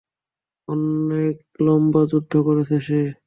অনেক লম্বা যুদ্ধ করেছে সে।